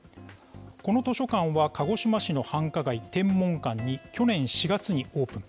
この図書館は、鹿児島市の繁華街、天文館に去年４月にオープン。